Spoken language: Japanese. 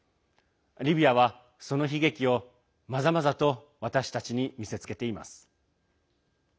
リビアは、その悲劇をまざまざと私たちに見せつけています。